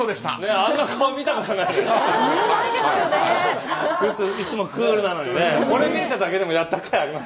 あんな顔見たことないです。